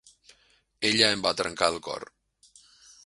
Ella em va trencar el cor.